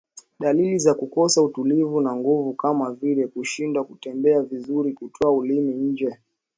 Dalili za kukosa utulivu na nguvu kama vile kushindwa kutembea vizuri kutoa ulimi nje